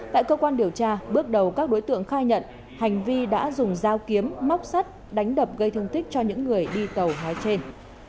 tại cơ quan điều tra bước đầu các đối tượng khai nhận hành vi đã dùng dao kiếm móc sắt đánh đập gây thương tích cho những người đi tàu nói trên